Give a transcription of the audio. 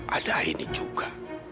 ada ini juga